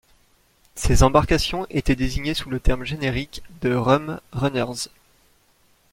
Ces embarcations étaient désignées sous le terme générique de Rum Runners.